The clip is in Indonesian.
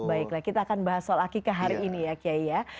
baiklah kita akan bahas soal akikah hari ini ya kiai ya